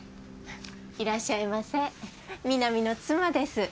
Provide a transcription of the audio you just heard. いらっしゃいませ南の妻です。